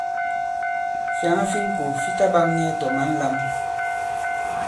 Fyàŋa fi ŋko fi ta ɓak nyɛ tɔ̀ mǎn lām.